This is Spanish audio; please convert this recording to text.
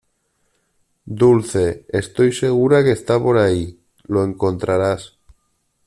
Dulce, estoy segura que está por ahí. Lo encontrarás .